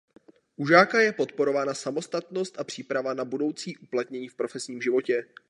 U žáka je podporována samostatnost a příprava na budoucí uplatnění v profesním životě.